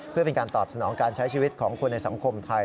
เพื่อเป็นการตอบสนองการใช้ชีวิตของคนในสังคมไทย